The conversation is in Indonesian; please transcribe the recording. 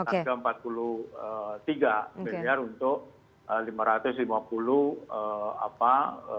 harga rp empat puluh tiga miliar untuk lima ratus lima puluh apa